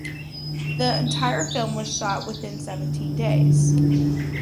The entire film was shot within seventeen days.